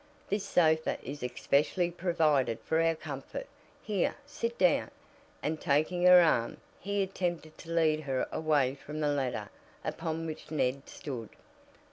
This sofa is especially provided for our comfort. Here, sit down," and taking her arm, he attempted to lead her away from the ladder upon which Ned stood.